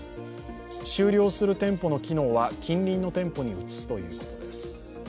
終了する店舗の機能は近隣の店舗に移すということです。